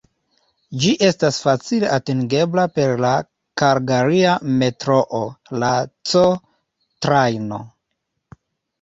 Ĝi estas facile atingebla per la kalgaria metroo, la C-Trajno.